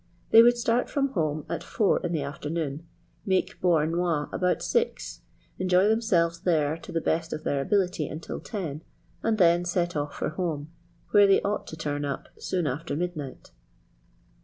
They would start from home at four in the afternoon, make Beauharnois about six, enjoy themselves there to the best of their ability until ten, and then set off for home, where they ought to turn up soon after midnight.